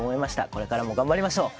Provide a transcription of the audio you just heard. これからも頑張りましょう！